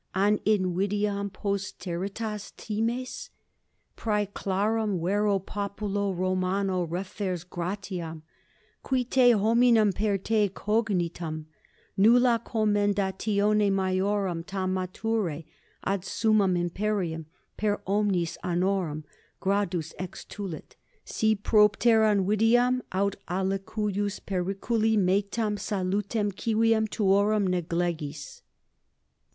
An invidiam posteritatis times? Praeclaram vero populo Romano refers gratiam, qui te, hominem per te cognitum, nulla commendatione maiorum tam mature ad summum imperium per omnes honorum gradus extulit, si propter invidiam aut alicuius periculi metum salutem civium tuorum neglegis.